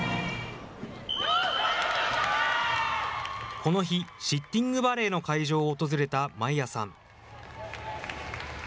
この日、シッティングバレーの会場を訪れたマイアさん。